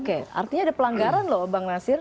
oke artinya ada pelanggaran loh bang nasir